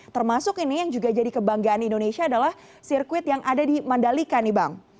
termasuk ini yang juga jadi kebanggaan indonesia adalah sirkuit yang ada di mandalika nih bang